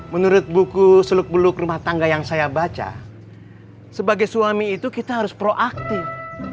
menurut buku seluk beluk rumah tangga yang saya baca sebagai suami itu kita harus proaktif